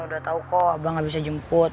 gak ada tau kok abah gak bisa jemput